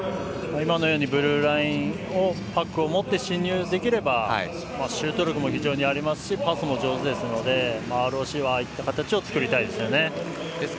ブルーラインにパックを持って進入できればシュート力も非常にありますしパスも上手ですのでＲＯＣはああいった形を作りたいですね。